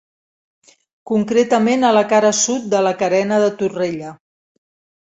Concretament a la cara sud de la Carena de Torrella.